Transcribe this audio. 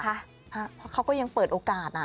เพราะเขาก็ยังเปิดโอกาส